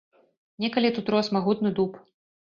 Некалі тут рос магутны дуб.